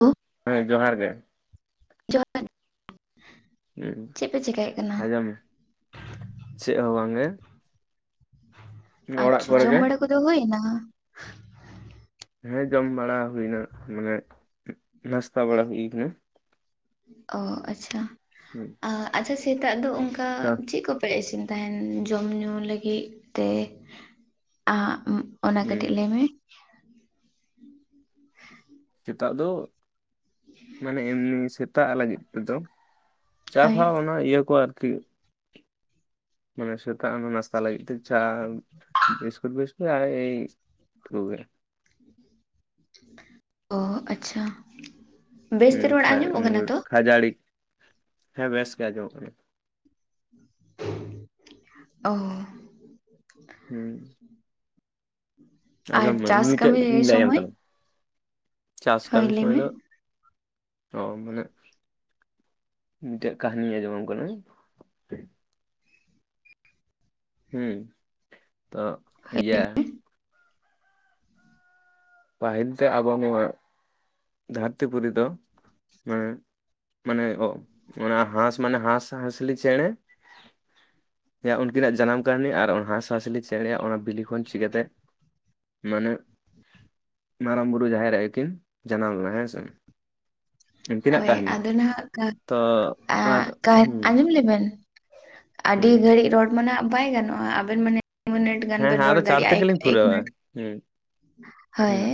ᱳᱜ ᱦᱮᱸ ᱡᱚᱦᱟᱨ ᱜᱮ᱾ ᱡᱚᱦᱟᱨ, ᱦᱩᱸ ᱪᱮᱫ ᱯᱮ ᱪᱮᱠᱟᱭᱮᱫ ᱠᱟᱱᱟ? ᱟᱸᱡᱚᱢ ᱢᱮ ᱪᱮᱫ ᱦᱚᱸ ᱵᱟᱝᱜᱮ, ᱚᱲᱟᱜ ᱟᱪᱪᱷᱟ, ᱠᱚᱨᱮ ᱜᱮ ᱡᱚᱢ ᱵᱟᱲᱟ ᱠᱚᱫᱚ ᱦᱩᱭᱱᱟ? ᱦᱮᱸ ᱡᱚᱢ ᱵᱟᱲᱟ ᱦᱩᱭᱱᱟ, ᱢᱟᱱᱮ ᱱᱟᱥᱛᱟ ᱵᱟᱲᱟ ᱦᱩᱭ ᱠᱟᱱᱟ᱾ ᱚ ᱟᱪᱪᱷᱟ᱾ ᱦᱩᱸ᱾ ᱟ ᱟᱪᱪᱷᱟ, ᱥᱮᱛᱟᱜ ᱫᱚ ᱚᱱᱠᱟ ᱪᱮᱫ ᱠᱚᱯ ᱯᱮ ᱤᱥᱤᱱ ᱛᱟᱦᱮᱱ ᱡᱚᱢ ᱧᱩ ᱞᱟᱹᱜᱤᱫ ᱛᱮ ᱟᱸᱜ ᱩ ᱚᱱᱟ ᱦᱩᱸ ᱠᱟᱹᱴᱤᱡ ᱞᱟᱹᱭ ᱢᱮ? [unintelligible] ᱥᱮᱛᱟᱜ ᱫᱚ, ᱢᱟᱱᱮ ᱮᱢᱱᱤ ᱥᱮᱛᱟᱜ ᱞᱟᱹᱜᱤᱫ ᱛᱮᱫᱚ ᱪᱟ ᱦᱳᱭ ᱯᱷᱟ ᱚᱱᱟ ᱤᱭᱟᱹ ᱠᱚ ᱟᱨᱠᱤ ᱢᱟᱱᱮ ᱥᱮᱛᱟᱜ ᱚᱱᱟ ᱱᱟᱥᱛᱟ ᱞᱟᱹᱜᱤᱫ ᱛᱮ ᱪᱟ, ᱵᱤᱥ ᱠᱩᱴ ᱵᱤᱥ [unintelligible] ᱚ ᱟᱪᱪᱷᱟ᱾ ᱵᱮᱥᱛᱮ ᱦᱩᱸ ᱨᱚᱲ ᱠᱷᱟᱹᱡ ᱟᱸᱡᱚᱢᱚᱜ ᱠᱟᱱᱟ ᱦᱩᱸ ᱛᱚ? ᱠᱷᱟᱹᱡᱟᱲᱤ, ᱦᱮᱸ ᱵᱮᱥ ᱜᱮ ᱟᱸᱡᱚᱢᱚᱜ ᱠᱟᱱᱟ᱾ ᱚᱻ ᱦᱩᱸ᱾ ᱟᱨ ᱟᱸᱡᱚᱢ ᱢᱮ ᱤᱧ ᱪᱟᱥ ᱢᱤᱴᱮᱡ ᱠᱟᱹᱢᱤ [unintelligible] ᱤᱧ ᱞᱟᱹᱭᱟᱢ ᱥᱚᱢᱚᱭ ᱠᱟᱱᱟ᱾ ᱪᱟᱥ ᱦᱳᱭ ᱠᱟᱹᱢᱤ ᱞᱟᱹᱭ ᱥᱚᱢᱚᱭ ᱢᱮ ᱫᱚ ᱚ ᱢᱟᱱᱮ, ᱢᱤᱫᱴᱮᱡ ᱠᱟᱦᱤᱱᱤᱧ ᱟᱸᱡᱚᱢᱟᱢ ᱠᱟᱱᱟ᱾ ᱦᱮ ᱦᱩᱸ, ᱛᱚ ᱦᱳᱭ ᱤᱭᱟ ᱯᱟᱹᱦᱤᱞ ᱛᱮ ᱟᱵᱚ ᱠᱚᱣᱟᱜ, ᱫᱷᱟᱹᱨᱛᱤ ᱯᱩᱨᱤ ᱫᱚ ᱢᱟᱱᱮ, ᱢᱟᱱᱮ ᱚ ᱚᱱᱟ ᱦᱟᱸᱥ ᱢᱟᱱᱮ ᱦᱟᱸᱥ ᱦᱟᱸᱥᱞᱤ ᱪᱮᱬᱮ ᱭᱟᱜ ᱩᱱᱠᱤᱱᱟᱜ ᱡᱟᱱᱟᱢ ᱠᱟᱹᱦᱤᱱᱤ, ᱟᱨ ᱚᱱᱟ ᱦᱟᱸᱥ ᱦᱟᱸᱥᱞᱤ ᱪᱮᱬᱮᱭᱟᱜ ᱚᱱᱟ ᱵᱤᱞᱤ ᱠᱷᱚᱱ ᱪᱤᱠᱟᱹᱛᱮ ᱢᱟᱱᱮ, ᱢᱟᱨᱟᱝ ᱵᱩᱨᱩ ᱡᱟᱦᱮᱨ ᱟᱭᱩ ᱠᱤᱱ ᱡᱟᱱᱟᱢ ᱞᱮᱱᱟ ᱦᱮᱸᱥᱮ, ᱩᱱᱠᱤᱱᱟᱜ ᱦᱳᱭ ᱠᱟᱦᱤᱱᱤ, ᱟᱫᱚ ᱱᱟᱦᱟᱜ ᱠᱟ, ᱛᱚ ᱟᱨ ᱦᱩᱸ ᱞᱟᱹᱭ ᱵᱮᱱ, ᱟᱹᱰᱤ ᱦᱩᱸ ᱜᱷᱟᱹᱲᱤᱡ ᱨᱚᱲ ᱢᱟᱱᱷᱟᱜ ᱵᱟᱭ ᱜᱟᱱᱚᱜᱼᱟ, ᱟᱵᱮᱱ ᱢᱟᱱᱮ ᱢᱤᱱᱤᱴ ᱜᱟᱱ ᱦᱮᱸ ᱦᱮᱸ ᱵᱮᱱ ᱟᱫᱚ ᱨᱚᱲ ᱪᱟᱬ ᱫᱟᱲᱮᱭᱟᱜᱼᱟ ᱮᱠ ᱛᱮᱜᱮᱞᱤᱧ ᱮᱠ ᱮᱠ ᱯᱩᱨᱟᱹᱣᱟ ᱢᱤᱱᱤᱴ, ᱦᱩᱸ ᱦᱳᱭ ᱦᱩᱸ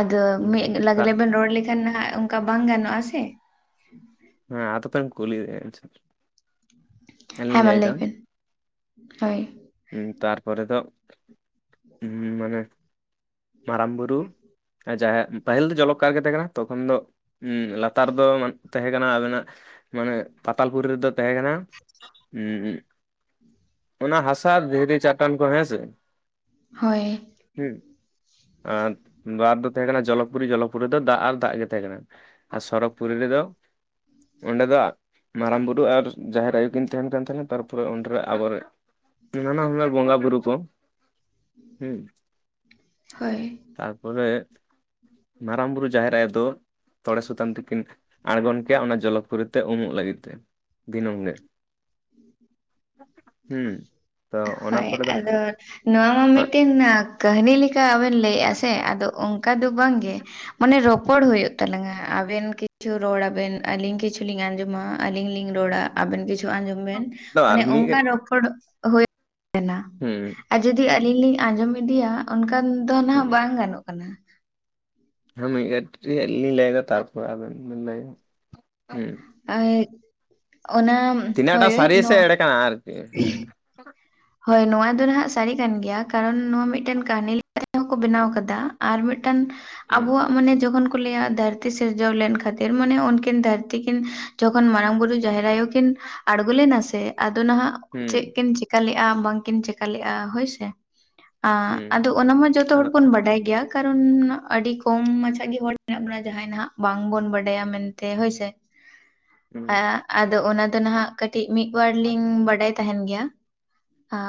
ᱟᱫᱚ ᱢᱤᱫ ᱦᱩᱸ ᱛᱟ ᱞᱟᱜᱽᱞᱮ ᱵᱮᱱ ᱨᱚᱲ ᱞᱮᱠᱷᱟᱱ ᱦᱟᱸᱜ ᱚᱝᱠᱟ ᱵᱟᱝ ᱜᱟᱱᱚᱜᱼᱟ ᱥᱮ᱾ ᱦᱮᱸ ᱟᱫᱚ ᱵᱮᱱ ᱠᱩᱞᱤᱭᱮᱜᱼ ᱟ ᱪᱮ? ᱟᱹᱞᱤᱧ ᱦᱮᱸ ᱞᱤᱧ ᱢᱟ ᱞᱟᱹᱭ ᱮᱫᱟ, ᱵᱮᱱ ᱦᱳᱭ ᱩᱸ ᱛᱟᱨᱯᱚᱨᱮ ᱫᱚᱜ ᱩᱸ ᱢᱟᱱᱮ ᱢᱟᱨᱟᱝ ᱵᱩᱨᱩ ᱮ ᱡᱟᱦᱮ, ᱯᱟᱹᱦᱤᱞ ᱫᱚ ᱡᱚᱞᱚᱠᱟᱨ ᱜᱮ ᱛᱟᱦᱮᱸ ᱠᱟᱱᱟ, ᱛᱚᱠᱷᱚᱱ ᱫᱚ ᱩᱸ ᱞᱟᱛᱟᱨ ᱫᱚ ᱢᱟᱱᱮ ᱛᱟᱦᱮᱸ ᱠᱟᱱᱟ ᱟᱵᱮᱱᱟᱜ ᱢᱟᱱᱮ ᱯᱟᱛᱟᱞ ᱯᱩᱨᱤ ᱨᱮᱫᱚ ᱛᱟᱦᱮᱸ ᱠᱟᱱᱟ ᱩᱸ ᱚᱱᱟ ᱦᱟᱥᱟ ᱫᱷᱤᱨᱤ ᱪᱟᱴᱟᱱ ᱠᱚᱨᱮ ᱦᱮᱸᱥᱮ, ᱦᱳᱭ᱾ ᱦᱩᱸ, ᱟᱨ ᱵᱟᱨ ᱫᱚ ᱛᱟᱦᱮᱸ ᱠᱟᱱᱟ ᱡᱚᱞᱚ ᱯᱩᱨᱤ, ᱡᱚᱞᱚ ᱯᱩᱨᱤ ᱨᱮᱫᱚ ᱫᱟᱜ ᱟᱨ ᱫᱟᱜ ᱜᱮ ᱛᱟᱦᱮᱸ ᱠᱟᱱᱟ᱾ ᱟᱨ ᱥᱚᱨᱚᱜᱽ ᱯᱩᱨᱤ ᱨᱮᱫᱚ ᱚᱸᱰᱮ ᱫᱚ ᱟ ᱢᱟᱨᱟᱝ ᱵᱩᱨᱩ ᱟᱨ ᱡᱟᱦᱮᱨ ᱟᱭᱳ ᱠᱤᱱ ᱛᱟᱦᱮᱱ ᱠᱟᱱ ᱛᱟᱦᱮᱸᱱᱟ, ᱛᱟᱨᱯᱚᱨᱮ ᱚᱸᱰᱨᱮ ᱟᱵᱳ ᱨᱮ, ᱱᱟᱱᱟ ᱦᱩᱱᱟᱹᱨ ᱵᱚᱸᱜᱟ ᱵᱩᱨᱩ ᱠᱚ ᱦᱩᱸ ᱦᱳᱭ᱾ ᱛᱟᱨᱯᱚᱨᱮᱜ ᱢᱟᱨᱟᱝ ᱵᱩᱨᱩ ᱡᱟᱦᱮᱨ ᱟᱭᱳ ᱫᱚ ᱛᱚᱲᱮ ᱥᱩᱛᱟᱹᱢ ᱛᱮᱠᱤᱱ ᱟᱬᱜᱚᱱ ᱠᱮᱭᱟ ᱚᱱᱟ ᱡᱚᱞᱚ ᱯᱩᱨᱤ ᱛᱮ ᱩᱢᱩᱜ ᱞᱟᱹᱜᱤᱫ ᱛᱮ, ᱫᱤᱱᱟᱹᱢ ᱦᱤᱞᱟᱹᱜ᱾ ᱦᱩᱸ ᱛᱚ ᱚᱱᱟ ᱦᱳᱭ ᱯᱚᱨᱮ ᱟᱫᱚ ᱱᱚᱣᱟ ᱢᱟ ᱢᱤᱫᱴᱤᱱᱼᱟᱸ ᱠᱟᱹᱦᱱᱤ ᱞᱮᱠᱟ ᱵᱮᱱ ᱞᱟᱹᱭᱼᱮᱜᱼᱟ ᱥᱮ, ᱟᱫᱚ ᱚᱝ- ᱠᱟ ᱫᱚ ᱵᱟᱝ ᱜᱮ, ᱚᱱᱮ ᱨᱚᱯᱚᱲ ᱦᱩᱭᱩᱜ᱾ ᱛᱟᱞᱟᱝᱼᱟᱸ, ᱟᱵᱮᱱ ᱠᱤᱪᱷᱩ ᱨᱚᱲᱼᱟᱹᱵᱤᱱ ᱟᱹᱞᱤᱧ ᱠᱤᱪᱷᱩ ᱞᱤᱧ ᱟᱸᱡᱚᱢᱼᱟ ᱟᱹᱞᱤᱧ ᱞᱤᱧ ᱨᱚᱲᱼᱟ ᱟᱵᱮᱱ ᱠᱤᱪᱷᱩ ᱟᱸᱡᱚᱢ ᱵᱮᱱ ᱫᱚ ᱟᱨ ᱢᱟᱱᱮ ᱚᱝᱠᱟ ᱢᱤᱫ ᱨᱚᱯᱚᱲ ᱦᱩᱭᱩᱜ ᱠᱟᱱᱟ᱾ ᱦᱩᱸ᱾ ᱟ ᱡᱩᱫᱤ ᱟᱹᱞᱤᱧ ᱞᱤᱧ ᱟᱸᱡᱚᱢ ᱤᱫᱤᱭᱟ ᱚᱱᱠᱟᱱ ᱫᱚ ᱱᱷᱟᱸᱜ ᱵᱟᱝ ᱜᱟᱱᱚᱜ ᱠᱟᱱᱟ᱾ ᱦᱮᱸ ᱢᱟᱹᱭ ᱮᱴᱨᱤᱭᱟᱜ ᱞᱤᱧ ᱞᱟᱹᱭ ᱭᱮᱫᱟ ᱛᱟᱨᱯᱚᱨ ᱟᱵᱤᱱ ᱵᱤᱱ ᱞᱟᱹᱭ, [unintelligible] ᱦᱩᱸ᱾ ᱟᱭᱮᱫ ᱚᱱᱟᱢ ᱛᱤᱱᱟᱹᱜ ᱴᱟᱜ ᱥᱟᱹᱨᱤᱭᱟ ᱥᱮ ᱮᱲᱮ ᱠᱟᱱᱟ ᱟᱨᱠᱤ ᱦᱩᱸ᱾ ᱦᱳᱭ ᱱᱚᱣᱟ ᱫᱚ ᱱᱷᱟᱸᱜ ᱥᱟᱹᱨᱤ ᱠᱟᱱ ᱜᱮᱭᱟ, ᱠᱟᱨᱚᱱ ᱱᱚᱣᱟ ᱢᱤᱫᱴᱟᱹᱱ ᱠᱟᱹᱦᱱᱤ [unintelligible] ᱛᱟᱦᱮᱸ ᱮᱸ ᱦᱚᱸᱠᱚ ᱵᱮᱱᱟᱣ ᱟᱠᱟᱫᱟ ᱟᱨ ᱢᱤᱫᱴᱟᱝ ᱦᱩᱸ ᱟᱵᱚᱣᱟᱜ ᱢᱳᱱᱮ ᱡᱚᱠᱷᱚᱱ ᱠᱚ ᱞᱟᱹᱭᱼᱟ ᱫᱷᱟᱹᱨᱛᱤ ᱥᱤᱨᱡᱟᱹᱣ ᱞᱮᱱ ᱠᱷᱟᱹᱛᱤᱨ ᱢᱳᱱᱮ ᱩᱱᱠᱤᱱ ᱫᱷᱟᱹᱨᱛᱤ ᱠᱤᱱ ᱡᱚᱠᱷᱚᱱ ᱢᱟᱨᱟᱝ ᱵᱩᱨᱩ, ᱡᱟᱦᱮᱨ ᱟᱭᱳ ᱠᱤᱱ ᱟᱬᱜᱚ ᱞᱮᱱᱟ ᱥᱮ ᱟᱫᱚ ᱱᱷᱟᱸᱜ ᱦᱩᱸ ᱪᱮᱜ ᱠᱤᱱ ᱪᱮᱠᱟ ᱞᱮᱜᱼᱟ ᱵᱟᱝ ᱠᱤᱱ ᱪᱮᱠᱟ ᱞᱮᱜᱼᱟ ᱦᱳᱭ ᱥᱮ ᱾ ᱟᱸ ᱦᱩᱸ ᱟᱫᱚ ᱚᱱᱟ ᱢᱟ ᱡᱚᱛᱚ ᱦᱚᱲ ᱟᱫᱚ ᱵᱚᱱ ᱜᱮᱭᱟ, ᱠᱟᱨᱚᱱ ᱟᱹᱰᱤ ᱠᱚᱢ ᱢᱟᱪᱷᱟ ᱜᱮ ᱦᱚᱲ ᱢᱮᱱᱟᱜ ᱡᱟᱦᱟᱸᱭ ᱱᱷᱟᱸᱜ ᱵᱟᱝ ᱵᱚᱱ ᱵᱟᱰᱟᱭᱟ ᱢᱮᱱᱛᱮ ᱦᱳᱭ ᱥᱮ, ᱦᱩᱸ ᱟᱸ ᱟᱫᱚ ᱚᱱᱟ ᱫᱚ ᱱᱷᱟᱸᱜ ᱠᱟᱹᱴᱤᱡ ᱢᱤᱫ ᱵᱟᱨ ᱞᱤᱧ ᱵᱟᱰᱟᱭ ᱛᱟᱦᱮᱸᱱ ᱜᱮᱭᱟ,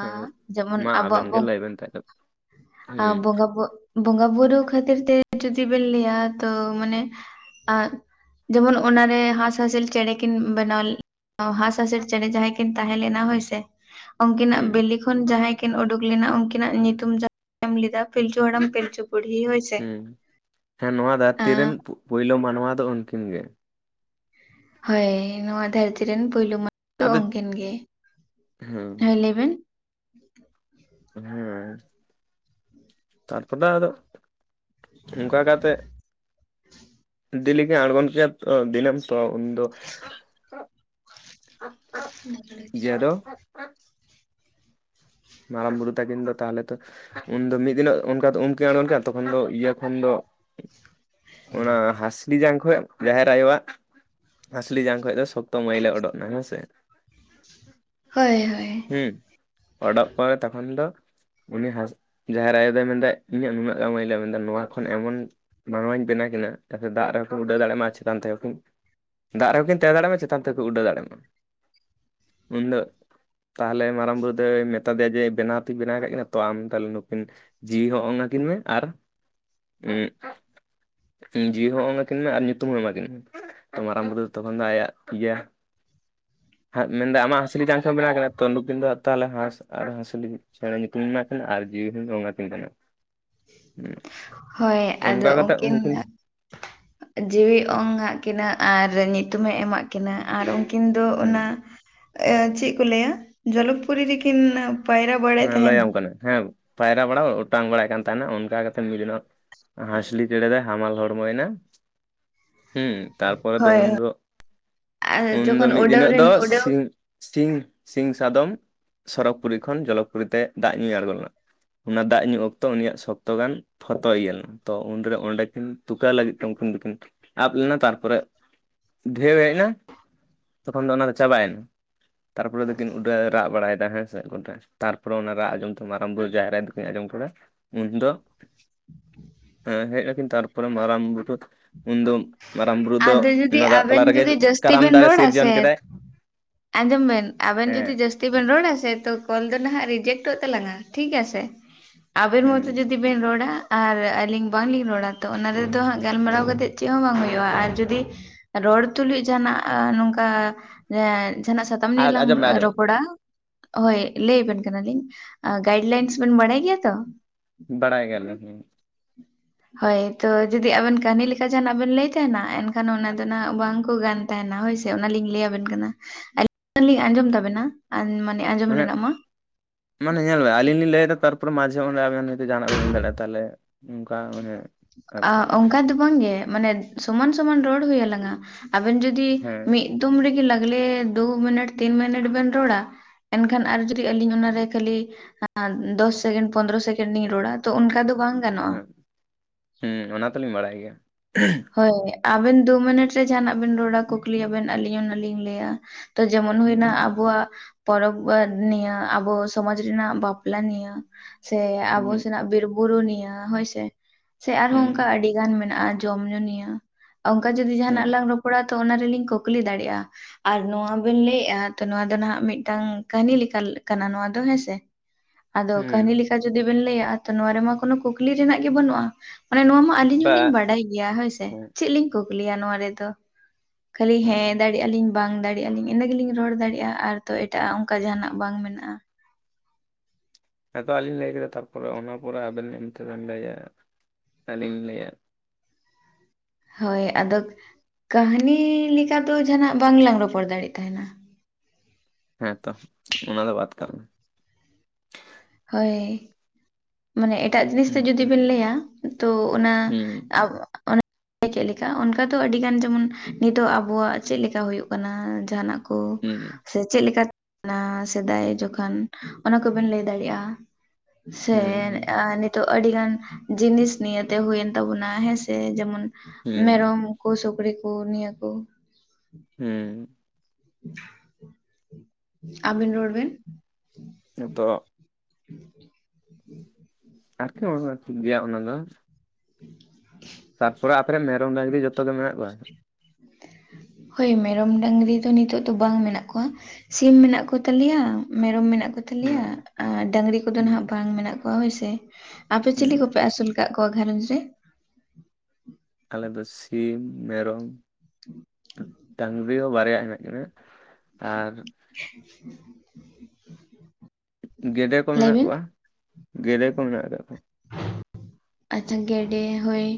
ᱦᱮᱸ ᱡᱮᱢᱚᱱ ᱢᱟ ᱟᱵᱮᱱ ᱟᱵᱚᱣᱟᱜ ᱜᱮ ᱵᱚᱸᱝ ᱞᱟᱹᱭ ᱵᱮᱱ ᱛᱟᱦᱞᱮ [unintelligible] ᱟ ᱦᱩᱸ ᱵᱚᱸᱜᱟ ᱵᱚᱸᱫ ᱵᱚᱸᱜᱟ ᱵᱩᱨᱩ ᱠᱷᱟᱹᱛᱤᱨ ᱛᱮᱜᱮ ᱡᱩᱫᱤ ᱵᱤᱱ ᱞᱟᱹᱭᱼᱟ ᱛᱚ ᱢᱟᱱᱮ, ᱟᱸ ᱡᱮᱢᱚᱱ ᱚᱱᱟ ᱨᱮ ᱦᱟᱸᱥᱼᱦᱟᱸᱥᱞᱤ ᱪᱮᱬᱮ ᱠᱤᱱ ᱵᱮᱱᱟᱣ ᱚᱸ ᱦᱟᱸᱥᱼᱦᱟᱸᱥᱞᱤ ᱪᱮᱬᱮ ᱡᱟᱦᱟᱸᱭ ᱠᱤᱱ ᱛᱟᱦᱮᱸ ᱞᱮᱱᱟ ᱦᱚᱭᱥᱮ, ᱚᱝᱠᱤᱱᱟᱜ ᱦᱩᱸ ᱵᱤᱞᱤ ᱠᱷᱚᱱ ᱡᱟᱦᱟᱸᱭ ᱠᱤᱱ ᱩᱰᱩᱠ ᱞᱮᱱᱟ ᱩᱝᱠᱤᱱᱟᱜ ᱧᱩᱛᱩᱢ ᱡᱟ [unintelligible] ᱮᱢ ᱞᱮᱫᱟ ᱯᱤᱞᱪᱩ ᱦᱟᱲᱟᱢ, ᱯᱤᱞᱪᱩ ᱵᱩᱰᱷᱤ ᱦᱚᱭ- ᱦᱩᱸ, ᱦᱮᱸ ᱱᱚᱣᱟ ᱫᱷᱟᱹᱨᱛᱤ ᱨᱮᱱ ᱯᱩ ᱯᱩᱭᱞᱩ ᱢᱟᱱᱣᱟ ᱫᱚ ᱩᱱᱠᱤᱱ ᱜᱮ᱾ ᱦᱳᱭ ᱱᱚᱣᱟ ᱫᱷᱟᱹᱨᱛᱤ ᱨᱮᱱ ᱯᱩᱭᱞᱩ ᱢᱟ [unintelligible] ᱫᱚ ᱟᱫᱚ ᱩᱝᱠᱤᱱ ᱜᱮ, ᱦᱮᱸ ᱞᱟᱹᱭ ᱵᱮᱱ? ᱦᱩᱸ᱾ ᱛᱟᱨᱯᱚᱨᱮ ᱟᱫᱚᱜ ᱚᱝᱠᱟ ᱠᱟᱛᱮᱜ ᱫᱤᱞᱤ ᱜᱮ ᱟᱬᱜᱚᱱ ᱠᱮᱭᱟ ᱛᱚ, ᱫᱤᱱᱟᱹᱢ ᱛᱚ ᱩᱱ ᱫᱚ ᱤᱭᱟᱹ ᱫᱚ [unintelligible] [unintelligible] ᱛᱟᱠᱤᱱ ᱫᱚ ᱛᱟᱦᱞᱮ ᱛᱚ ᱩᱱᱫᱚ ᱢᱤᱫ ᱫᱤᱱᱚᱜ ᱚᱱᱠᱟ ᱫᱚ ᱩᱱ ᱠᱤᱱ ᱟᱬᱜᱳᱚᱱ ᱠᱟᱱᱟ ᱛᱚᱠᱷᱚᱱ ᱫᱚ ᱤᱭᱟᱹ ᱠᱷᱚᱱ ᱫᱚ [unintelligible] ᱚᱱᱟ ᱦᱟᱸᱥᱞᱤ ᱡᱟᱝ ᱠᱷᱚᱡ ᱡᱟᱦᱮᱨ ᱟᱭᱳᱣᱟᱜ ᱦᱟᱹᱥᱞᱤ ᱡᱟᱝ ᱠᱷᱚᱡ ᱫᱚ ᱥᱚᱠᱛᱚ ᱢᱟᱹᱭᱞᱟᱹ ᱩᱰᱩᱜ ᱱᱟ ᱦᱮᱸ ᱥᱮ ᱾ ᱦᱳᱭ ᱦᱳᱭ ᱾ ᱦᱩᱸ ᱾ ᱚᱰᱚᱜ ᱠᱚᱭ ᱛᱚᱠᱷᱚᱱ ᱫᱚ ᱩᱱᱤ ᱦᱟᱸᱥ ᱡᱟᱦᱮᱨ ᱟᱭᱳ ᱫᱚᱭ ᱢᱮᱱᱫᱟ ᱤᱧᱟᱹᱜ ᱱᱩᱱᱟᱹᱜ ᱜᱟᱱ ᱢᱟᱹᱭᱞᱟᱹ ᱢᱮᱱᱫᱟᱭ ᱱᱚᱣᱟ ᱠᱷᱚᱱ ᱮᱢᱚᱱ ᱢᱟᱱᱣᱟᱧ ᱵᱮᱱᱟ ᱠᱤᱱᱟ ᱡᱟᱛᱮ ᱫᱟᱜ ᱨᱮᱦᱚᱸ ᱠᱤᱱ ᱩᱰᱟᱹᱣ ᱫᱟᱲᱮᱜ ᱢᱟ ᱪᱮᱛᱟᱱ ᱛᱮᱦᱚᱸ ᱫᱟᱜ ᱨᱮᱦᱚᱸ ᱠᱤᱱ ᱛᱟᱦᱮᱸ ᱫᱟᱲᱮᱜ ᱢᱟ ᱪᱮᱛᱟᱱ ᱛᱮᱦᱚᱸ ᱠᱚ ᱩᱰᱟᱹᱣ ᱫᱟᱲᱮᱜ-ᱟ ᱢᱟ ᱾ ᱩᱱ ᱫᱚ ᱛᱟᱦᱚᱞᱮ ᱢᱟᱨᱟᱝ ᱵᱩᱨᱩ ᱢᱮᱛᱟ ᱫᱮᱭᱟ ᱡᱮ ᱵᱮᱱᱟᱣ ᱛᱚᱧ ᱵᱮᱱᱟᱣ ᱟᱠᱟᱫ ᱠᱤᱱᱟ ᱛᱚ ᱟᱢ ᱛᱟᱦᱚᱞᱮ ᱱᱩᱠᱤᱱ ᱡᱤᱣᱤ ᱦᱚ ᱚᱝ ᱟᱹᱠᱤᱱ ᱢᱮ, ᱟᱨ ᱩᱜ ᱡᱤᱣᱤ ᱦᱚᱸ ᱚᱜ ᱟᱠᱤᱱ ᱢᱮ ᱟᱨ ᱧᱩᱛᱩᱢ ᱦᱚᱸ ᱮᱢᱟ ᱠᱤᱱ ᱢᱮ ᱾ ᱛᱚ ᱢᱟᱨᱟᱝ ᱵᱩᱨᱩ ᱫᱚ ᱛᱚᱠᱷᱚᱱ ᱫᱚ ᱟᱭᱟᱜ ᱯᱮᱭᱟ ᱢᱮᱱ ᱫᱟ ᱟᱢᱟᱜ ᱦᱟᱸᱥᱞᱤ ᱡᱟᱝ ᱠᱷᱚᱱ ᱵᱮᱱᱟᱣ ᱠᱟᱱᱟ ᱛᱚ ᱱᱩᱠᱤᱱ ᱫᱚ ᱛᱟᱦᱚᱞᱮ ᱦᱟᱸᱥ ᱟᱨ ᱦᱟᱸᱥᱞᱤ ᱪᱮᱬᱮ ᱧᱩᱛᱩᱢ ᱤᱧ ᱮᱢᱟ ᱠᱤᱱᱟ ᱢᱮᱱᱟᱜ ᱠᱤᱱᱟ ᱟᱨ ᱡᱤᱣᱤ ᱦᱚᱸᱧ ᱚᱝ ᱟᱹᱠᱤᱱ ᱠᱟᱱᱟ ᱾ ᱦᱳᱭ ᱚᱱᱠᱟ ᱟᱫᱚ ᱠᱟᱛᱮᱜ ᱩᱱᱠᱤᱱ ᱡᱤᱣᱤ ᱚᱝ ᱟᱜ ᱠᱤᱱᱟᱹ ᱟᱨ ᱧᱩᱛᱩᱢᱮ ᱮᱢᱟᱜ ᱠᱤᱱᱟᱹ ᱟᱨ ᱩᱱ ᱩᱱᱠᱤᱱ ᱫᱚ ᱚᱱᱟ ᱮᱸ ᱪᱮᱫ ᱠᱚ ᱞᱟᱹᱭᱟ ᱡᱚᱞᱚᱯᱩᱨᱤ ᱨᱮᱠᱤᱱ ᱯᱟᱭᱨᱟ ᱵᱟᱲᱟᱭᱮᱜ ᱛᱮᱦᱮᱱ ᱾ [unintelligible] ᱦᱮᱸ ᱾ ᱯᱟᱭᱨᱟ ᱵᱟᱲᱟ ᱚᱴᱟᱝ ᱵᱟᱲᱟᱭᱮᱫ ᱠᱟᱱ ᱛᱟᱦᱮᱱᱟ ᱚᱱᱠᱟ ᱠᱟᱛᱮᱫ ᱢᱤᱫ ᱫᱤᱱᱚᱜ ᱦᱟᱸᱥᱞᱤ ᱪᱮᱬᱮ ᱫᱚᱭ ᱦᱟᱢᱟᱞ ᱦᱚᱲᱢᱚᱭᱮᱱᱟ, ᱦᱩᱸ ᱛᱟᱯᱚᱨᱮ ᱫᱚ ᱦᱳᱭ ᱦᱳᱭ ᱩᱱᱫᱚ ᱟᱨ ᱩᱱᱫᱚ ᱡᱚᱠᱷᱚᱱ ᱢᱤᱫ ᱩᱰᱟᱹᱣ ᱫᱤᱱᱳᱜ ᱨᱮᱱ ᱫᱚ ᱩᱰᱟᱹᱣ ᱥᱤᱧ ᱥᱤᱧ, ᱥᱤᱧ ᱥᱟᱫᱚᱢ ᱥᱚᱨᱚᱜᱽᱯᱩᱨᱤ ᱠᱷᱚᱱ ᱡᱚᱞᱚᱜᱽᱯᱩᱨᱤ ᱛᱮ ᱫᱟᱜ ᱧᱩᱭ ᱟᱬᱜᱚ ᱞᱮᱱᱟ ᱾ ᱚᱱᱟ ᱫᱟᱜ ᱧᱩ ᱚᱠᱛᱚ ᱩᱱᱤᱭᱟᱜ ᱥᱚᱠᱛᱚ ᱜᱟᱱ ᱯᱷᱚᱛᱚ ᱤᱭᱟᱹᱞᱮᱱ, ᱛᱚ ᱩᱱᱨᱮ ᱚᱸᱰᱮ ᱠᱤᱱ ᱛᱩᱠᱟᱹ ᱞᱟᱹᱜᱤᱫ ᱛᱮ ᱩᱱᱠᱤᱱ ᱫᱚᱠᱤᱱ ᱟᱵ ᱞᱮᱱᱟ, ᱛᱟᱨᱯᱚᱨᱮ [unintelligible] ᱰᱷᱮᱣ ᱦᱮᱡ ᱮᱱᱟ ᱛᱚᱠᱷᱚᱱ ᱫᱚ ᱚᱱᱟ ᱫᱚ ᱪᱟᱵᱟᱭᱮᱱᱟ, ᱛᱟᱨᱯᱚᱨᱮ ᱫᱚᱠᱤᱱ ᱩᱰᱟᱹᱣ ᱨᱟᱜ ᱵᱟᱲᱟᱭᱮᱫᱟ ᱦᱮᱸ ᱮᱫ ᱜᱚᱴᱮᱡ ᱛᱟᱨᱯᱚᱨᱮ ᱚᱱᱟ ᱨᱟᱜ ᱟᱸᱡᱚᱢ ᱛᱮ ᱢᱟᱨᱟᱝ ᱵᱩᱨᱩ ᱡᱟᱦᱮᱨ ᱟᱭᱩ ᱫᱚ ᱠᱤᱱ ᱟᱸᱡᱚᱢ ᱠᱮᱫᱟ ᱩᱱ ᱫᱚ ᱦᱮᱸ ᱦᱮᱡ ᱱᱟᱠᱤᱱ ᱛᱟᱨᱯᱚᱨᱮ ᱢᱟᱨᱟᱝ ᱵᱩᱨᱩ ᱩᱱᱫᱚ ᱢᱟᱨᱟᱝ ᱵᱩᱨᱩ ᱫᱚ ᱚᱱᱟ ᱫᱟᱜ ᱛᱟᱞᱟ ᱨᱮᱜᱮ ᱠᱟᱨᱟᱢ ᱛᱤᱵᱤᱱ ᱫᱟᱨᱮ ᱨᱚᱲᱟ ᱥᱤᱨᱡᱚᱱ ᱥᱮ, ᱠᱮᱫᱟᱭ ᱟᱸᱡᱚᱢ ᱵᱮᱱ ᱟᱵᱮᱱ ᱦᱮᱸ ᱡᱩᱫᱤ ᱡᱟᱹᱥᱛᱤ ᱵᱮᱱ ᱨᱚᱲᱟ ᱥᱮ ᱛᱚ ᱠᱚᱞ ᱫᱚ ᱱᱟᱦᱟᱜ ᱨᱤᱡᱮᱠᱴᱚᱜ ᱛᱟᱞᱟᱝᱟ ᱴᱷᱤᱠ ᱟᱪᱷᱮ ᱟᱵᱮᱱ ᱢᱚᱛᱚ ᱦᱩᱸ ᱡᱩᱫᱤ ᱡᱟᱹᱥᱛᱤ ᱵᱮᱱ ᱨᱚᱲᱟ ᱟᱨ ᱟᱹᱞᱤᱧ ᱵᱟᱝᱞᱤᱧ ᱨᱚᱲᱟ ᱛᱚ ᱚᱱᱟ ᱨᱮᱫᱚ ᱦᱟᱸᱜ ᱜᱟᱞᱢᱟᱨᱟᱣ ᱠᱟᱛᱮᱫ ᱪᱮᱫ ᱦᱚᱸ ᱵᱟᱝ ᱦᱩᱭᱩᱜᱼᱟ, ᱟᱨ ᱡᱩᱫᱤ ᱨᱚᱲ ᱛᱩᱞᱩᱡ ᱡᱟᱦᱟᱱᱟᱜ ᱱᱚᱝᱠᱟ ᱮᱸᱜ ᱡᱟᱦᱟᱱᱟᱜ ᱥᱟᱛᱟᱢ ᱱᱤᱭᱮ ᱞᱟᱝ ᱟᱸᱡᱚᱢ ᱢᱮ ᱟᱸᱡᱚᱢ ᱢᱮ ᱨᱚᱯᱚᱲᱟ ᱦᱳᱭ ᱞᱟᱹᱭ ᱟᱵᱮᱱ ᱠᱟᱱᱟᱞᱤᱧ ᱾ ᱜᱟᱭᱤᱰ ᱞᱟᱭᱤᱱᱥ ᱵᱮᱱ ᱵᱟᱲᱟᱭ ᱜᱮᱭᱟ ᱛᱚ? ᱵᱟᱲᱟᱭ ᱜᱮᱭᱟ ᱞᱤᱧ ᱦᱩᱸ ᱾ ᱦᱳᱭ ᱛᱚ ᱡᱩᱫᱤ ᱟᱵᱮᱱ ᱠᱟᱹᱦᱱᱤ ᱞᱮᱠᱟ ᱡᱟᱦᱟᱱᱟᱜ ᱵᱮᱱ ᱞᱟᱹᱭ ᱛᱟᱦᱮᱱᱟ ᱮᱱᱠᱷᱟᱱ ᱚᱱᱟ ᱫᱚ ᱱᱟᱜ ᱵᱟᱝᱠᱚ ᱜᱟᱱ ᱛᱟᱦᱮᱱᱟ ᱦᱳᱭᱥᱮ ᱚᱱᱟᱞᱤᱧ ᱞᱟᱹᱭ ᱟᱵᱮᱱ ᱠᱟᱱᱟ ᱟᱹᱞᱤ ᱢᱟ ᱞᱤᱧ ᱟᱸᱡᱚᱢ ᱛᱟᱵᱮᱱᱟ ᱢᱟᱱᱮ ᱟᱸᱡᱚᱢ ᱨᱮᱱᱟᱜ ᱢᱟ ᱾ ᱢᱟᱱᱮ ᱧᱮᱞ ᱢᱮ ᱟᱹᱞᱤᱧ ᱞᱤᱧ ᱞᱟᱹᱭ ᱫᱟ ᱛᱟᱨᱯᱚᱨ ᱢᱟᱡᱷᱮ ᱚᱸᱰᱮ ᱟᱵᱮᱱ ᱦᱚᱭᱛᱚ ᱡᱟᱦᱟᱱᱟᱜ ᱵᱮᱱ ᱢᱮᱱ ᱫᱟᱲᱮᱜᱼᱟ ᱛᱟᱦᱚᱞᱮ ᱚᱱᱠᱟ [unintelligible] ᱦᱮᱸ ᱾ ᱟᱸ ᱚᱝᱠᱟ ᱫᱚ ᱵᱟᱝᱜᱮ ᱢᱟᱱᱮ ᱥᱚᱢᱟᱱ ᱥᱚᱢᱟᱱ ᱨᱚᱲ ᱦᱩᱭᱩᱜ ᱞᱟᱜᱟᱼᱟ ᱟᱵᱮᱱ ᱡᱩ ᱡᱩᱫᱤ ᱦᱮᱸ ᱢᱤᱜ ᱫᱚᱢ ᱨᱮᱜᱮ ᱞᱟᱜᱽᱞᱮ ᱫᱩ ᱢᱤᱱᱤᱴ ᱛᱤᱱ ᱢᱤᱱᱤᱴ ᱵᱮᱱ ᱨᱚᱲᱟ ᱮᱱᱠᱷᱟᱱ ᱟᱨ ᱡᱩᱫᱤ ᱟᱹᱞᱤᱧ ᱚᱱᱟᱨᱮ ᱠᱷᱟᱹᱞᱤ ᱟᱨ ᱫᱚᱥ ᱥᱮᱠᱮᱱᱰ ᱯᱚᱱᱫᱨᱚ ᱥᱮᱠᱮᱱᱰ ᱤᱧ ᱨᱚᱲᱟ ᱛᱚ ᱚᱱᱠᱟ ᱫᱚ ᱵᱟᱝ᱾ ᱜᱟᱱᱚᱜᱼᱟ ᱦᱮᱸ, ᱦᱩᱸ ᱚᱱᱟ ᱛᱚᱞᱤᱧ ᱵᱟᱲᱟᱭ ᱜᱮᱭᱟ᱾ ᱦᱳᱭ ᱦᱳᱭ ᱟᱵᱮᱱ ᱫᱩ ᱢᱤᱱᱤᱴ ᱨᱮ ᱡᱟᱦᱟᱸᱱᱟᱜ ᱵᱮᱱ ᱨᱚᱲᱟ ᱠᱩᱠᱞᱤ ᱟᱵᱮᱱ ᱟᱹᱞᱤᱧ ᱚᱱᱟ ᱞᱤᱧ ᱞᱟᱹᱭᱟ᱾ ᱛᱚ ᱡᱮᱢᱚᱱ ᱦᱩᱭᱱᱟ ᱦᱩᱸ ᱟᱵᱚᱣᱟᱜ ᱯᱚᱨᱚᱵᱽ ᱱᱤᱭᱟᱹ ᱟᱵᱚ ᱥᱚᱢᱟᱡᱽ ᱨᱮᱱᱟᱜ ᱵᱟᱯᱞᱟ ᱱᱤᱭᱟᱹ ᱥᱮ ᱟᱵᱚ ᱦᱩᱸ ᱥᱮᱱᱟᱜ ᱵᱤᱨ ᱵᱩᱨᱩ ᱱᱤᱭᱟᱹ ᱦᱳᱭᱥᱮ, ᱥᱮ ᱟᱨᱦᱚᱸ ᱚᱱᱠᱟ ᱦᱩᱸ ᱟᱹᱰᱤ ᱜᱟᱱ ᱢᱮᱱᱟᱜᱼᱟ ᱡᱚᱢ ᱧᱩ ᱱᱤᱭᱟᱹ᱾ ᱚᱝᱠᱟ ᱡᱚᱫᱤ ᱡᱟᱦᱟᱸᱱᱟᱜ ᱦᱩᱸ ᱞᱟᱝ ᱨᱚᱯᱚᱲᱟ ᱛᱚ ᱚᱱᱟ ᱨᱮᱞᱤᱧ ᱠᱩᱠᱞᱤ ᱫᱟᱲᱮᱜᱼᱟ᱾ ᱟᱨ ᱱᱚᱣᱟ ᱵᱮᱱ ᱞᱟᱹᱭᱮᱜᱼᱟ ᱛᱚ ᱱᱚᱣᱟ ᱫᱚ ᱱᱟᱦᱟᱸᱜ ᱢᱤᱜᱴᱟᱝ ᱠᱟᱹᱦᱟᱹᱱᱤ ᱞᱮᱠᱟ ᱠᱟᱱᱟ ᱱᱚᱣᱟ ᱫᱚ ᱦᱳᱭ ᱥᱮ᱾ [inaudible] ᱟᱫᱚ ᱠᱟᱹᱦᱟᱹᱱᱤ ᱦᱩᱸ ᱞᱮᱠᱟ ᱡᱩᱫᱤ ᱵᱮᱱ ᱞᱟᱹᱭᱟ ᱛᱚ ᱱᱚᱣᱟ ᱨᱮᱢᱟ ᱠᱳᱱᱳ ᱠᱩᱠᱞᱤ ᱨᱮᱱᱟᱜ ᱜᱮ ᱵᱟᱹᱱᱩᱜᱼᱟ ᱢᱟᱱᱮ ᱱᱚᱣᱟ ᱢᱟᱜ ᱟᱹᱞᱤᱧ ᱵᱟ ᱦᱚᱞᱤᱧ ᱵᱟᱰᱟᱭ ᱜᱮᱭᱟ ᱦᱳᱭᱥᱮ ᱦᱮᱸ ᱪᱮᱜ ᱞᱤᱧ ᱠᱩᱠᱞᱤᱭᱟ ᱱᱚᱣᱟ ᱨᱮᱫᱚ᱾ ᱠᱷᱟᱹᱞᱤ ᱦᱮᱸ ᱫᱟᱲᱮᱜᱼᱟ ᱞᱤᱧ ᱵᱟᱝ ᱫᱟᱲ ᱮᱜᱼᱟ ᱞᱤᱧ ᱤᱱᱟᱹᱜᱤᱞᱤᱧ ᱨᱚᱲ ᱫᱟᱲᱮᱜᱼᱟ ᱟᱨ ᱛᱚ ᱮᱴᱟᱜ ᱟᱜ ᱚᱝᱠᱟ ᱡᱟᱦᱟᱸᱱᱟᱜ ᱵᱟᱝ ᱢᱮᱱᱟᱜᱼᱟ᱾ ᱦᱮᱸᱛᱚ ᱟᱹᱞᱤᱧ ᱞᱟᱹᱭ ᱠᱮᱫᱟ ᱛᱟᱯᱚᱨᱮ ᱚᱱᱟ ᱯᱚᱨᱮ ᱟᱵᱮᱱ ᱛᱮᱵᱤᱱ ᱞᱟᱹᱭᱟ ᱟᱹᱞᱤᱧ ᱞᱟᱹᱭᱟ᱾ ᱦᱳᱭ ᱟᱫᱚ ᱠᱟᱹᱦᱟᱹᱱᱤ ᱞᱮᱠᱟ ᱫᱚ ᱡᱟᱦᱟᱸᱱᱟᱜ ᱵᱟᱝᱞᱟᱝ ᱨᱚᱯᱚᱲ ᱫᱟᱲᱮᱜ ᱛᱟᱦᱮᱸᱱᱟ᱾ ᱦᱮᱸ ᱛᱚ ᱚᱱᱟ ᱫᱚ ᱵᱟᱫ ᱠᱟᱜ ᱢᱮ᱾ ᱦᱳᱭ ᱢᱟᱱᱮ ᱮᱴᱟᱜ ᱡᱤᱱᱤᱥ ᱛᱮ ᱡᱩᱫᱤ ᱦᱩᱸ ᱵᱤᱱ ᱞᱟᱹᱭᱟ, ᱛᱚ ᱚᱱᱟ ᱦᱩᱸ ᱟᱣ ᱚᱱᱮ ᱪᱮᱜ ᱞᱮᱠᱟ ᱚᱱᱠᱟ ᱫᱚ ᱟᱹᱰᱤ ᱜᱟᱱ ᱡᱮᱢᱚᱱ ᱱᱤᱛᱚᱜ ᱟᱵᱚᱣᱟᱜ ᱪᱮᱜ ᱞᱮᱠᱟ ᱦᱩᱭᱩᱜ ᱠᱟᱱᱟ ᱡᱟᱦᱟᱸᱱᱟᱜ ᱠᱚ ᱦᱩᱸ ᱥᱮ ᱪᱮᱜ ᱞᱮᱠᱟ [inaudible] ᱱᱟ ᱥᱮᱫᱟᱭ ᱡᱚᱠᱷᱚᱱ ᱚᱱᱟ ᱠᱚᱵᱮᱱ ᱞᱟᱹᱭ ᱫᱟᱲᱮᱭᱟᱜ-ᱟ ᱥᱮ ᱦᱩᱸ ᱟ ᱱᱤᱛ ᱛᱚ ᱟᱹᱰᱤ ᱜᱟᱱ ᱡᱤᱱᱤᱥ ᱱᱤᱭᱟᱹᱛᱮ ᱦᱩᱭᱮᱱ ᱛᱟᱵᱚᱱᱟ ᱦᱮᱸᱥᱮ ᱡᱮᱢᱚᱱ ᱦᱩᱸ ᱢᱮᱨᱚᱢ, ᱠᱩ ᱥᱤᱠᱨᱤ ᱠᱩ ᱱᱤᱭᱟᱹ ᱠᱩ᱾ ᱦᱩᱸ᱾ [inaudible] ᱟᱹᱵᱤᱱ ᱨᱚᱲᱵᱮᱱ? ᱱᱮᱛᱚᱜ ᱟᱨᱠᱤ ᱚᱱᱟ ᱴᱷᱤᱠ ᱜᱮᱭᱟ ᱚᱱᱟ ᱫᱚ᱾ [inaudible] ᱛᱟᱨᱯᱚᱨᱮ ᱟᱯᱮ ᱨᱮᱱ ᱢᱮᱨᱚᱢ ᱰᱟᱝᱨᱤ ᱡᱷᱚᱛᱚ ᱜᱮ ᱢᱮᱱᱟᱜ ᱠᱚᱣᱟ? ᱦᱳᱭ ᱢᱮᱨᱚᱢ ᱰᱟᱝᱨᱤ ᱫᱚ ᱱᱤᱛᱚᱜ ᱫᱚ ᱵᱟᱝ ᱢᱮᱱᱟᱜ ᱠᱚᱣᱟ᱾ ᱥᱤᱢ ᱢᱮᱱᱟᱜ ᱠᱚᱛᱟᱞᱮᱭᱟ ᱢᱮᱨᱚᱢ ᱢᱮᱱᱟᱜ ᱠᱚ ᱛᱟᱞᱮᱭᱟ ᱦᱩᱸ ᱟᱨ ᱰᱟᱝᱨᱤ ᱠᱚᱫᱚ ᱦᱩᱸ ᱱᱟᱦᱟᱸᱜ ᱵᱟᱝ ᱢᱮᱱᱟᱜ ᱠᱚᱣᱟ ᱦᱳᱭᱥᱮ᱾ ᱟᱯᱮ ᱦᱩᱸ ᱪᱤᱞᱤ ᱠᱚᱯᱮ ᱟᱹᱥᱩᱞ ᱠᱟᱜ ᱠᱚᱣᱟ ᱜᱷᱟᱨᱚᱸᱡᱽ ᱨᱮ? ᱟᱞᱮ ᱫᱚ ᱥᱤᱢ ᱢᱮᱨᱚᱢ ᱰᱟᱝ ᱨᱤ ᱦᱚᱸ ᱵᱟᱨᱭᱟ ᱦᱮᱱᱟᱜ ᱠᱤᱱᱟ ᱟᱨ [inaudible] ᱜᱮᱰᱮ ᱠᱚ ᱞᱟᱹᱭ ᱢᱮᱱᱟᱜ ᱵᱤᱱ ᱠᱚᱣᱟ ᱜᱮᱰᱮ ᱠᱚ ᱢᱮᱱᱟᱜ ᱟᱠᱟᱜ ᱠᱚᱣᱟ᱾ ᱟᱪᱪᱷᱟ ᱜᱮᱰᱮ ᱦᱳᱭ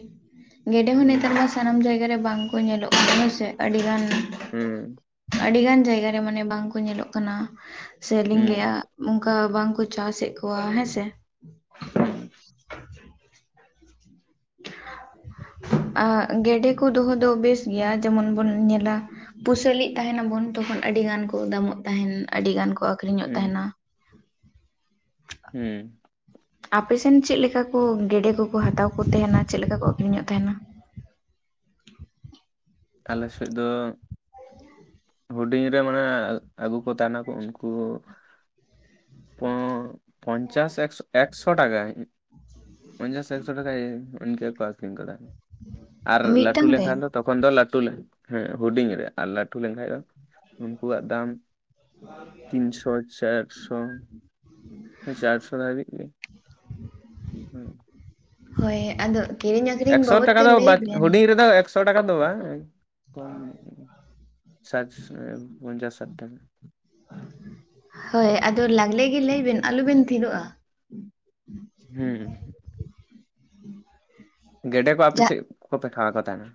ᱜᱮᱰᱮ ᱦᱚᱸ ᱱᱮᱛᱟᱨ ᱦᱩᱸ ᱫᱚᱥ ᱥᱟᱱᱟᱢ ᱡᱟᱭᱜᱟ ᱨᱮ ᱵᱟᱝ ᱠᱚ ᱧᱮᱞᱚᱜ ᱠᱟᱱᱟ ᱥᱮ ᱟᱹᱰᱤ ᱜᱟᱱ, ᱦᱩᱸ ᱟᱹᱰᱤ ᱜᱟᱱ ᱡᱟᱭᱜᱟ ᱨᱮ ᱢᱟᱱᱮ ᱵᱟᱝ ᱠᱚ ᱧᱮᱞᱚᱜ ᱠᱟᱱᱟ ᱥᱮ ᱞᱤᱝ ᱞᱟᱹᱭᱟ ᱦᱩᱸ ᱚᱝᱠᱟ ᱵᱟᱝᱠᱚ ᱪᱟᱥ ᱮᱫ ᱠᱚᱣᱟ ᱦᱮᱸ ᱥᱮ ᱾ ᱦᱩᱸ ᱾ [unintelligible] ᱟ ᱜᱮᱰᱮ ᱠᱚ ᱫᱚᱦᱚᱸ ᱫᱚ ᱵᱮᱥ ᱜᱮᱭᱟ ᱡᱮᱢᱚᱱ ᱵᱚᱱ ᱧᱮᱞᱟ ᱯᱩᱥᱟᱹᱞᱤᱜ ᱛᱟᱦᱮᱸᱱᱟ ᱵᱚᱱ ᱛᱚᱠᱷᱚᱱ ᱟᱹᱰᱤᱜᱟᱱ ᱠᱚ ᱫᱟᱢᱚᱜ ᱛᱟᱦᱮᱸᱸᱱ ᱟᱹᱰᱤᱜᱟᱱ ᱠᱚ ᱟᱹᱠᱷᱨᱤᱧᱚᱜ ᱦᱩᱸ ᱛᱟᱦᱮᱸᱱᱟ ᱾ ᱦᱩᱸ ᱾ ᱟᱯᱮ ᱥᱮᱱ ᱪᱮᱫ ᱞᱮᱠᱟ ᱠᱚ ᱜᱮᱰᱮ ᱠᱚ ᱠᱚ ᱦᱟᱛᱟᱣ ᱠᱚ ᱛᱟᱦᱮᱸᱱᱟ ᱪᱮᱫᱞᱮᱠᱟ ᱠᱚ ᱟᱠᱷᱨᱤᱧᱚᱜ ᱛᱟᱦᱮᱸᱱᱟ? ᱟᱞᱮ ᱥᱮᱫ ᱫᱚ ᱦᱩᱰᱤᱧ ᱨᱮ ᱢᱟᱱᱮ ᱟᱹᱜᱩ ᱠᱚ ᱛᱟᱦᱮᱸᱱᱟ ᱠᱚ ᱩᱱᱠᱩ ᱯᱚᱱ ᱯᱚᱱᱪᱟᱥ ᱮᱠᱥᱚ ᱮᱠᱥᱚ ᱴᱟᱠᱟ ᱾ ᱯᱚᱱᱪᱟᱥ ᱮᱠᱥᱚ ᱴᱟᱠᱟ ᱤᱱᱠᱟᱹ ᱠᱚ ᱟᱹᱠᱷᱨᱤᱧ ᱠᱚ ᱛᱟᱦᱮᱸᱜ ᱾ ᱟᱨ ᱞᱟᱹᱴᱩ ᱢᱤᱫᱴᱟᱝ ᱨᱮ ᱞᱮᱱᱠᱷᱟᱱ ᱫᱚ ᱛᱚᱠᱷᱚᱱ ᱫᱚ ᱞᱟᱹᱴᱩ ᱞᱮᱱ ᱦᱮᱸ ᱦᱩᱰᱤᱧ ᱨᱮ ᱟᱨ ᱞᱟᱹᱴᱩ ᱞᱮᱱᱠᱷᱟᱱ ᱫᱚ ᱩᱱᱠᱩᱣᱟᱜ ᱫᱟᱢ ᱛᱤᱱᱥᱚ ᱪᱟᱨᱥᱚ ᱾ ᱪᱟᱨᱥᱚ ᱫᱷᱟᱹᱵᱤᱡ ᱜᱮ ᱦᱩᱸ ᱾ ᱦᱳᱭ ᱟᱫᱚ ᱠᱤᱨᱤᱧ ᱟᱠᱷᱨᱤᱧ ᱮᱠᱥᱚ ᱵᱟᱵᱚᱫ ᱴᱟᱠᱟ ᱛᱮ ᱫᱚ ᱞᱟᱹᱭ ᱵᱟᱝ ᱵᱮᱱ ᱦᱩᱰᱤᱧ ᱨᱮᱫᱚ ᱮᱠ ᱥᱚ ᱴᱟᱠᱟ ᱫᱚ ᱵᱟᱝ ᱡᱚᱢ ᱧᱚᱜ ᱜᱮ ᱥᱟᱴᱥ ᱯᱚᱱᱪᱟᱥ ᱥᱟᱴ ᱴᱟᱠᱟ ᱾ ᱦᱳᱭ ᱟᱫᱟ ᱞᱟᱜᱽᱞᱮ ᱜᱮ ᱞᱟᱹᱭ ᱵᱮᱱ ᱟᱞᱚᱵᱮᱱ ᱛᱷᱤᱨᱚᱜᱼᱟ ᱾ ᱦᱩᱸ᱾ ᱜᱮᱰᱮ ᱠᱚ ᱟᱯᱮ ᱡᱟ ᱪᱮᱫ ᱠᱚᱯᱮ ᱠᱷᱟᱣᱟ ᱠᱚ ᱛᱟᱦᱮᱸᱱᱟ?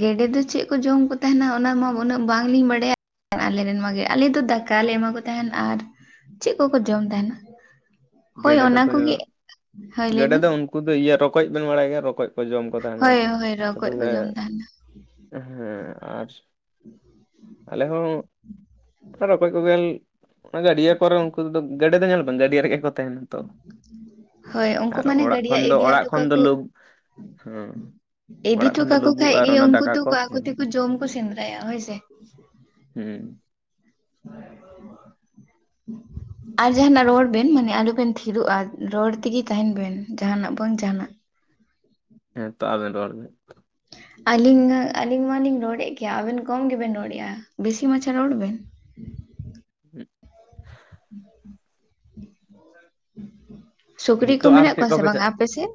ᱜᱮᱰᱮ ᱫᱚ ᱪᱮᱫ ᱠᱚ ᱡᱚᱢ ᱠᱚ ᱛᱟᱦᱮᱸᱱᱟ ᱚᱱᱟ ᱢᱟ ᱩᱱᱟᱹᱜ ᱵᱟᱝᱞᱤᱧ ᱵᱟᱰᱟᱭᱟ ᱾ ᱟᱞᱮ ᱨᱮᱱ ᱢᱟᱜᱮ ᱟᱞᱮ ᱫᱚ ᱫᱟᱠᱟ ᱞᱮ ᱮᱢᱟ ᱠᱚ ᱛᱟᱦᱮᱸᱱ ᱟᱨ ᱪᱮᱫ ᱠᱚᱠᱚ ᱡᱚᱢ ᱛᱟᱦᱮᱸᱱᱟ? ᱦᱳᱭ ᱜᱮᱰᱮ ᱚᱱᱟ ᱫᱚᱠᱚ ᱠᱚᱜᱮ ᱦᱳᱭ ᱞᱟᱹᱭ ᱜᱮᱰᱮ ᱵᱤᱱ ᱫᱚ ᱾ ᱩᱱᱠᱩ ᱫᱚ ᱤᱭᱟᱹ ᱨᱚᱠᱚᱡ ᱵᱮᱱ ᱵᱟᱲᱟᱭ ᱜᱮᱭᱟ ᱨᱚᱠᱚᱡ ᱠᱚ ᱡᱚᱢ ᱠᱚ ᱛᱟᱦᱮᱸᱱᱟ ᱦᱳᱭ ᱦᱳᱭ ᱨᱚᱠᱚᱡ ᱠᱚ ᱡᱚᱢ ᱛᱟᱦᱮᱱᱟ [inaudible] ᱦᱮᱸ ᱟᱨ ᱟᱞᱮ ᱦᱚᱸ ᱟᱨ ᱨᱚᱠᱚᱡ ᱠᱚᱜᱮ ᱚᱱᱟ ᱜᱟᱹᱰᱭᱟᱹ ᱠᱚᱨᱮ ᱩᱱᱠᱩ ᱫᱚ ᱜᱮᱰᱮ ᱫᱚ ᱧᱮᱞ ᱵᱮᱱ ᱜᱟᱹᱰᱭᱟᱹ ᱨᱮᱜᱮ ᱠᱚ ᱛᱟᱦᱮᱸᱱᱟ ᱛᱚ ᱾ ᱦᱳᱭ ᱩᱱᱠᱩ ᱢᱟᱱᱮ ᱜᱟᱹᱰᱭᱟᱹ ᱤᱫᱤ ᱚᱲᱟᱜ ᱦᱚᱴᱚ ᱠᱷᱚᱱ ᱫᱚ ᱠᱟᱠᱚ ᱞᱩ ᱦᱮᱸ ᱤᱫᱤ ᱚᱲᱟᱜ ᱦᱚᱴᱚ ᱠᱷᱚᱱ ᱫᱚ ᱠᱟᱠᱚ ᱞᱩᱵᱩᱜ ᱠᱷᱟᱡ ᱟᱨ ᱜᱮ ᱚᱱᱟ ᱩᱱᱠᱩ ᱫᱟᱠᱟ ᱛᱚ ᱠᱚ ᱟᱠᱚ ᱛᱮᱠᱚ ᱡᱚᱢ ᱠᱚ ᱥᱮᱸᱫᱽᱨᱟᱭᱟ ᱦᱳᱭ ᱥᱮ ᱾ ᱦᱮᱸ ᱾ [unintelligible] ᱟᱨ ᱡᱟᱦᱟᱸᱱᱟᱜ ᱨᱚᱲ ᱵᱮᱱ ᱢᱟᱱᱮ ᱟᱞᱚ ᱵᱮᱱ ᱛᱷᱤᱨᱚᱜᱼᱟ ᱨᱚᱲ ᱛᱮᱜᱮ ᱛᱟᱦᱮᱸᱱ ᱵᱮᱱ ᱡᱟᱦᱟᱸᱱᱟᱜ ᱵᱟᱝ ᱡᱟᱦᱸᱱᱟᱜ ᱾ ᱦᱮᱸ ᱛᱚ ᱟᱵᱮᱱ ᱨᱚᱲ ᱵᱮᱱ ᱾ ᱟᱹᱞᱤᱧ ᱟᱹᱞᱤᱧ ᱢᱟᱞᱤᱧ ᱨᱚᱲᱮᱫ ᱜᱮᱭᱟ ᱟᱵᱮᱱ ᱠᱚᱢ ᱜᱮᱵᱮᱱ ᱨᱚᱲᱮᱫ-ᱟ ᱵᱮᱥᱤ ᱢᱟᱪᱷᱟ ᱨᱚᱲ ᱵᱮᱱ ᱾ [unintelligible] [unintelligible] ᱥᱩᱠᱨᱤ ᱠᱚ ᱦᱤᱛᱚᱜ ᱟᱨ ᱢᱮᱱᱟᱜ ᱪᱮᱫ ᱠᱚᱣᱟ ᱥᱮ ᱠᱚᱯᱮ ᱵᱟᱝ ᱟᱯᱮ ᱥᱮᱫ?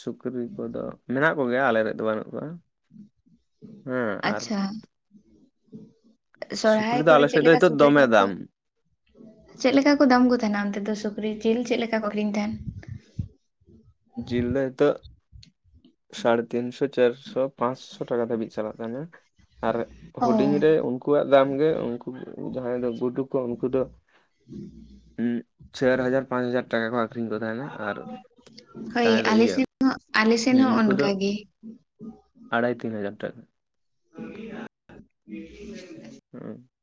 ᱥᱩᱠᱨᱤ ᱠᱚᱫᱚ ᱢᱮᱱᱟᱜ ᱠᱚᱜᱮᱭᱟ ᱟᱞᱮᱨᱮ ᱫᱚ ᱵᱟᱹᱱᱩᱜ ᱠᱚᱣᱟ ᱾ ᱟᱪᱪᱷᱟ ᱾ ᱥᱚᱦᱚᱨᱟᱭ ᱥᱩᱠᱨᱤ ᱫᱚ ᱠᱚᱨᱮ ᱪᱮᱫ ᱟᱞᱮᱥᱮᱫ ᱫᱚ ᱞᱮᱠᱟ ᱱᱤᱛᱚᱜ ᱥᱩᱠᱨᱤ ᱫᱚᱢᱮ ᱠᱚᱠᱚ ᱫᱟᱢ ᱪᱮᱫ ᱞᱮᱠᱟ ᱠᱚ ᱫᱟᱢ ᱠᱚ ᱛᱟᱦᱮᱸᱱᱟ ᱚᱱᱛᱮ ᱫᱚ ᱥᱩᱠᱨᱤ ᱡᱤᱞ ᱪᱮᱫ ᱞᱮᱠᱟ ᱠᱚ ᱟᱠᱷᱨᱤᱧ ᱛᱟᱦᱮᱸᱱ ᱾ ᱡᱤᱞ ᱫᱚ ᱱᱤᱛᱚᱜ ᱥᱟᱲᱮ ᱛᱤᱱᱥᱳ ᱪᱟᱨᱥᱳ ᱯᱟᱸᱥᱳ ᱴᱟᱠᱟ ᱫᱷᱟᱹᱵᱤᱡ ᱪᱟᱞᱟᱜ ᱠᱟᱱᱟ ᱟᱨ ᱚ ᱦᱩᱰᱤᱧ ᱨᱮ ᱩᱱ ᱠᱩᱣᱟᱜ ᱫᱟᱢ ᱜᱮ ᱩᱱᱠᱩ ᱡᱟᱦᱟᱸᱭ ᱫᱚ ᱜᱩᱰᱩ ᱠᱚ ᱩᱱᱠᱩ ᱫᱚ ᱦᱩᱸ ᱪᱟᱨ ᱦᱟᱡᱟᱨ ᱯᱟᱸᱪ ᱦᱟᱡᱟᱨ ᱴᱟᱠᱟ ᱠᱚ ᱟᱠᱷᱨᱤᱧ ᱠᱚ ᱛᱟᱦᱮᱸᱱᱟ ᱾ ᱟᱨ ᱦᱳᱭ ᱡᱟᱦᱟᱸᱭ ᱫᱚ ᱟᱞᱮ ᱤᱭᱟᱹ ᱥᱮᱱ ᱦᱚᱸ ᱟᱞᱮ ᱥᱮᱱ ᱦᱚᱸ ᱩᱱᱠᱩ ᱫᱚ ᱚᱱᱠᱟ ᱜᱮ ᱟᱲᱟᱭ ᱛᱤᱱ ᱦᱟᱡᱟᱨ ᱴᱟᱠᱟ ᱾ [unintelligible] [unintelligible]